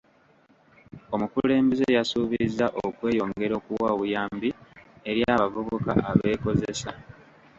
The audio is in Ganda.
Omukulembeze yasuubizza okweyongera okuwa obuyambi eri abavubuka abeekozesa.